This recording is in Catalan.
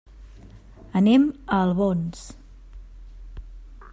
Anem a Albons.